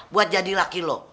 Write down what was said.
buat jadi laki lo